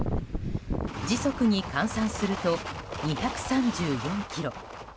時速に換算すると２３４キロ。